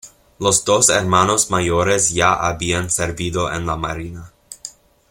Los dos hermanos mayores ya habían servido en la Marina.